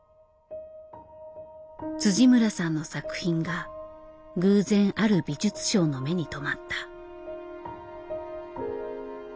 村さんの作品が偶然ある美術商の目に留まった。